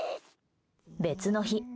別の日。